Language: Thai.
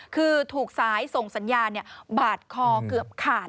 คือถูกสายส่งสัญญาณบาดคอเกือบขาด